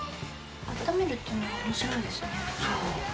あっためるっていうのがおもしろいですね。